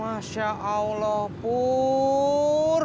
masya allah pur